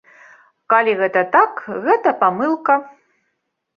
Калі гэта так, гэта памылка.